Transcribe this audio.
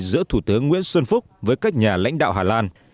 giữa thủ tướng nguyễn xuân phúc với các nhà lãnh đạo hà lan